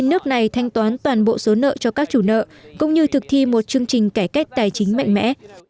nước này thanh toán toàn bộ số nợ cho các chủ nợ cũng như thực thi một chương trình cải cách tài chính mạnh mẽ